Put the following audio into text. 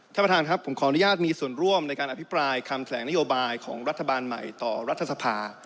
ท่านประธานครับผมขออนุญาตมีส่วนร่วมในการอภิปรายคำแถลงนโยบายของรัฐบาลใหม่ต่อรัฐสภา